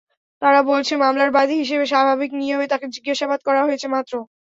তারা বলছে, মামলার বাদী হিসেবে স্বাভাবিক নিয়মে তাঁকে জিজ্ঞাসাবাদ করা হয়েছে মাত্র।